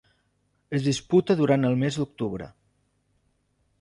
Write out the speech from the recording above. Es disputa durant el mes d'octubre.